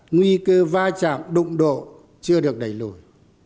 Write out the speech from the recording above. nguy cơ va chạm đụng độ chưa được đẩy lùi